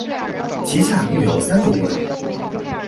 其下共有三个物种。